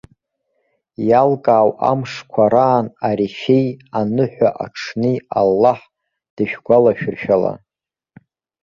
Иалкаау амшқәа раан арефеи, аныҳәа аҽни Аллаҳ дышәгәалашәыршәала.